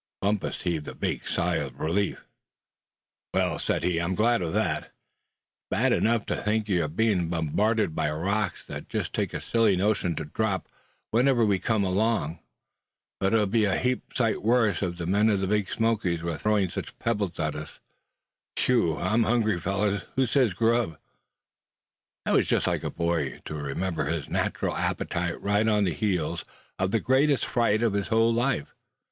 Bumpus heaved a big sigh of relief. "Well," said he, "I'm glad of that. It's bad enough to think you're bein' bombarded by rocks that just take a silly notion to drop when we come along; but it'd be a heap sight worse if the men of the Big Smokies were throwing such pebbles at us, haphazard. Whew! I'm hungry, fellers; who says grub?" That was just like a boy, to remember his natural appetite right on the heels of the greatest fright of his whole life.